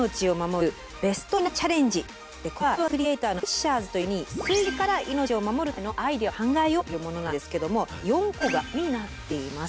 こちらは人気動画クリエイターのフィッシャーズと一緒に水害から命を守るためのアイデアを考えようというものなんですけども４コマ動画になっています。